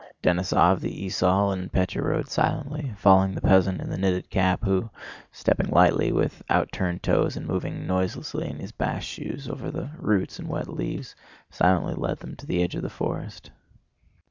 Denísov, the esaul, and Pétya rode silently, following the peasant in the knitted cap who, stepping lightly with outturned toes and moving noiselessly in his bast shoes over the roots and wet leaves, silently led them to the edge of the forest.